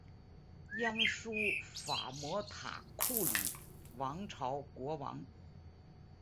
鸯输伐摩塔库里王朝国王。